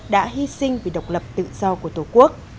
đã hy sinh vì độc lập tự do của tổ quốc